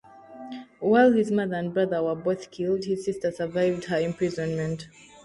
While his mother and brother were both killed, his sister survived her imprisonment.